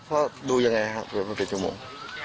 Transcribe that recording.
เพราะดูอย่างไรครับเพราะว่าเป็นชั่วโมง